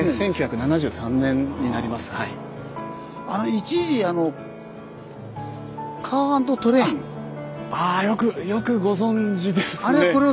一時あのあよくよくご存じですね！